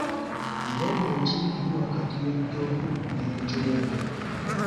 Njawulo ki eri wakati w’ejjovu n’ekyovu?